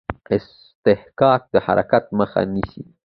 اصطکاک د حرکت مخه نیسي.